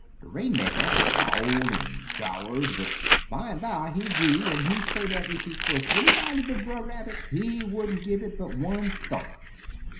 De Rainmaker growled an' jowered, but bimeby he 'gree, but he say that ef 'twuz anybody but Brer Rabbit, he wouldn't gi' it but one thunk.